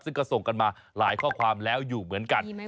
ซึ่งก็ส่งกันมาหลายข้อความแล้วอยู่เหมือนกัน